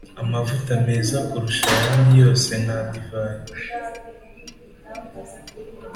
Amavuta meza kurusha ayandi yose na divayi